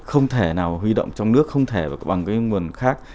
không thể nào huy động trong nước không thể bằng nguồn khác